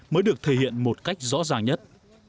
mới được thể hiện một cách rõ ràng nhất